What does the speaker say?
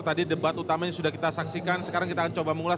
tadi debat utamanya sudah kita saksikan sekarang kita akan coba mengulas